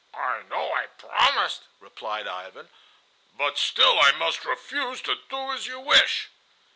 "I know I promised," replied Ivan; "but still I must refuse to do as you wish."